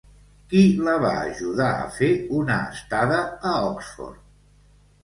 Qui la va ajudar a fer una estada a Oxford?